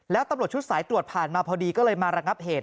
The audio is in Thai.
แล้วตำรวจชุดสายตรวจผ่านมาพอดีก็เลยมาระงับเหตุ